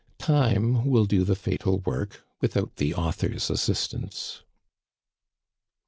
Time will do the fatal work without the author's assistance.